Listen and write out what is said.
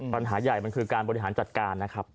ปัญหาใหญ่มันคือการบริหารจัดการนะครับ